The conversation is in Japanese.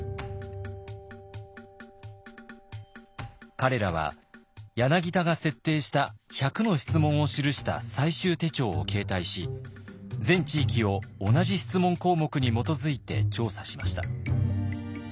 彼らは柳田が設定した１００の質問を記した採集手帖を携帯し全地域を同じ質問項目に基づいて調査しました。